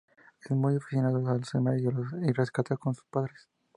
Es muy aficionado a los animales y los rescata con sus padres.